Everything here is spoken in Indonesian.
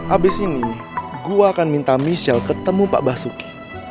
abis ini gue akan minta michelle ketemu pak basuki